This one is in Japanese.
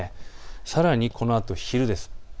さらにこのあと昼です。